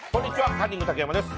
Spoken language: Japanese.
カンニング竹山です。